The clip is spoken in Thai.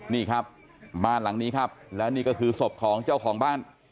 นี่ครับบ้านหลังนี้ครับและนี่ก็คือศพของเจ้าของบ้าน